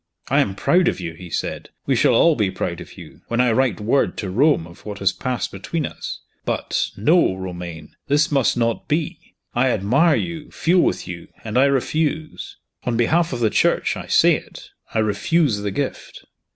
"I am proud of you!" he said. "We shall all be proud of you, when I write word to Rome of what has passed between us. But no, Romayne! this must not be. I admire you, feel with you; and I refuse. On behalf of the Church, I say it I refuse the gift."